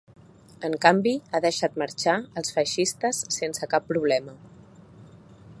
En canvi, ha deixat marxar els feixistes sense cap problema.